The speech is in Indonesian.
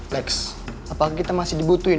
next apakah kita masih dibutuhin